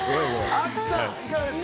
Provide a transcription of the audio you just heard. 亜希さん、いかがですか？